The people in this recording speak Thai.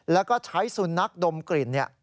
แล้วก็ใช้สุนัขดมกลิ่น